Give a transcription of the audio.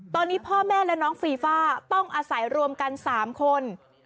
ตอนนี้พ่อแม่และน้องฟีฟ่าต้องอาศัยรวมกัน๓คน